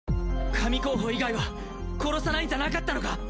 神候補以外は殺さないんじゃなかったのか？